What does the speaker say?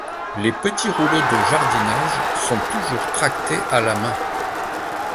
Les petits rouleaux de jardinage sont toujours tractés à la main.